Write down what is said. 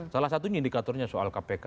salah satunya indikatornya soal kpk